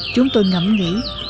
chúng tôi ngẩm nghĩ